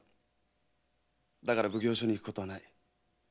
だから奉行所に行くことはない。